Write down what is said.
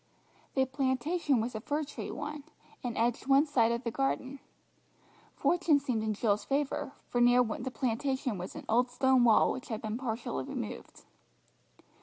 The plantation was a fir tree one, and edged one side of the garden. Fortune seemed in Jill's favour, for near the plantation was an old stone wall which had been partially removed.